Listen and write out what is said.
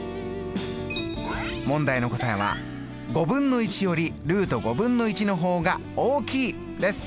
問題の答えはよりのほうが大きいです。